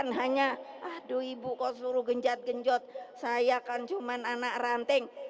saya disuruh genjat genjat saya kan cuma anak ranting